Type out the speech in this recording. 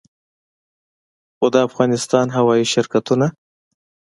خو د افغانستان هوايي شرکتونه